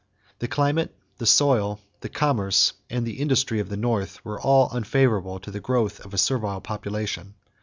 The climate, the soil, the commerce, and the industry of the North were all unfavorable to the growth of a servile population.